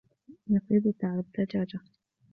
يَصِيدُ الثَّعْلَبُ دَجاجَةً.